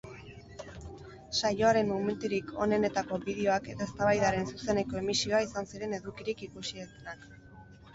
Saioaren momenturik onenetako bideoak eta eztabaidaren zuzeneko emisioa izan ziren edukirik ikusienak.